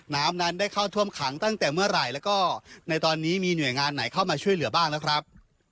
น้ำนั้นได้เข้าท่วมขังตั้งแต่เมื่อไหร่แล้วก็ในตอนนี้มีหน่วยงานไหนเข้ามาช่วยเหลือบ้างแล้วครับ